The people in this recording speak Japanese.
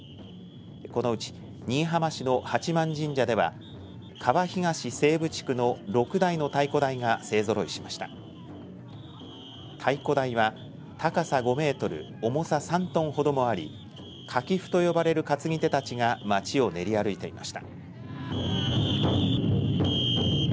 このうち新居浜市の八旛神社では川東西部地区の６台の太鼓台が勢ぞろいしました太鼓台は高さ５メートル重さ３トンほどもありかき夫と呼ばれる担ぎ手たちが街を練り歩いていました。